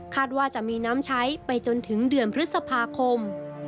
ว่าจะมีน้ำใช้ไปจนถึงเดือนพฤษภาคม